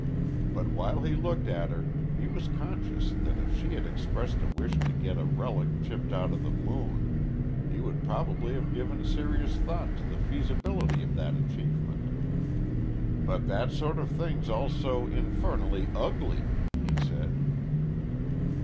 But while he looked at her he was conscious that if she had expressed a wish to get a relic chipped out of the moon, he would probably have given serious thought to the feasibility of that achievement. "But that sort of thing's all so infernally ugly," he said.